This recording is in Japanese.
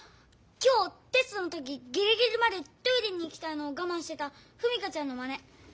今日テストの時ギリギリまでトイレに行きたいのをがまんしてた史佳ちゃんのまね。